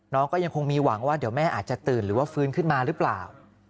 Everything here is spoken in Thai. น้องก็ยังคงมีหวังว่าเดี๋ยวแม่อาจจะตื่นหรือว่าฟื้นขึ้นมาหรือเปล่า